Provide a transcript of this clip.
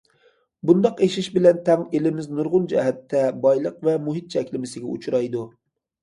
بۇنداق ئېشىش بىلەن تەڭ ئېلىمىز نۇرغۇن جەھەتتە بايلىق ۋە مۇھىت چەكلىمىسىگە ئۇچرايدۇ.